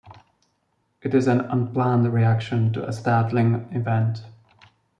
It is an unplanned reaction to a "startling event".